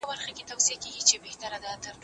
زما یاغي وزري ستا زندان کله منلای سي